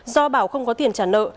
do bảo không có tiền trả nợ